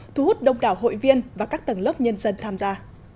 thu hút đông đảo hội viên và các tầng lớp nhân dân tham gia